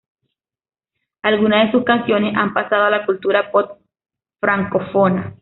Algunas de sus canciones han pasado a la cultura pop francófona.